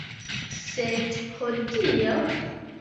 Sed hodiaŭ?